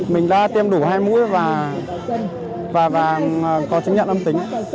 mình đã tiêm đủ hai mũi và có chứng nhận âm tính